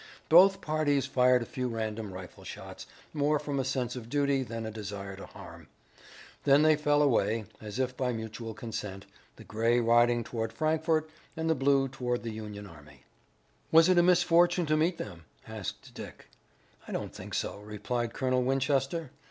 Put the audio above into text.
Both parties fired a few random rifle shots, more from a sense of duty than a desire to harm. Then they fell away, as if by mutual consent, the gray riding toward Frankfort and the blue toward the Union army. "Was it a misfortune to meet them?" asked Dick. "I don't think so," replied Colonel Winchester.